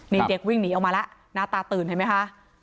นี่เด็กวิ่งหนีออกมาแล้วหน้าตาตื่นเห็นไหมคะ